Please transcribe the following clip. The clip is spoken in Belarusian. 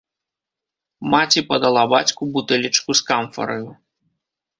Маці падала бацьку бутэлечку з камфараю.